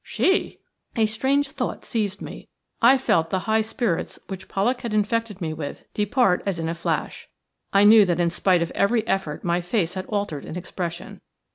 "She!" A strange thought seized me. I felt the high spirits which Pollak had infected me with depart as in a flash. I knew that in spite of every effort my face had altered in expression.